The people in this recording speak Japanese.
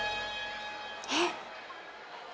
えっ？